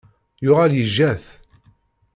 Yuɣal yejja-t.